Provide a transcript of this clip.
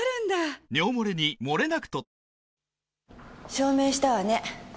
証明したわね。